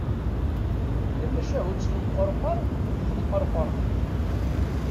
Tamacahut n umqerqur d temqerqurt.